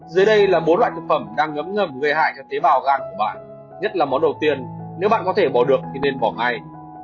dưới đây là bốn loại thực phẩm đang ngấm ngầm gây hại các tế bào gan của bạn nhất là món đầu tiên nếu bạn có thể bỏ được thì nên bỏ ngay